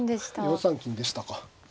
４三金でしたか。